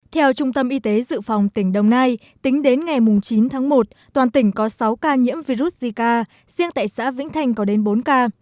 theo trung tâm y tế dự phòng tỉnh đồng nai tính đến ngày chín tháng một toàn tỉnh có sáu ca nhiễm virus zika riêng tại xã vĩnh thanh có đến bốn ca